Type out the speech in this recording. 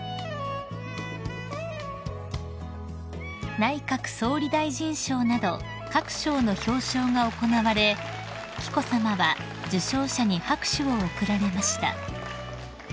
［内閣総理大臣賞など各賞の表彰が行われ紀子さまは受賞者に拍手を送られました］